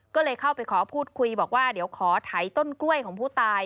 ก็เลยเข้าไปขอพูดคุยบอกว่าเดี๋ยวขอไถต้นกล้วยของผู้ตาย